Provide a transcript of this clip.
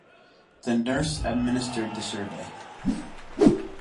The nurse administered the survey.